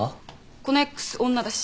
このＸ女だし。